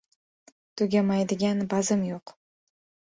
• Tugamaydigan bazm yo‘q.